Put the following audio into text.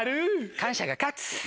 感謝が勝つ。